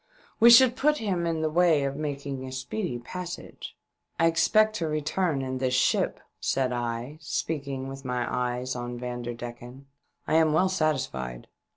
We should put him in the way of making a speedy passage." " I expect to return in this ship," said I, speaking with my eyes on Vanderdecken. "I am well satisfied.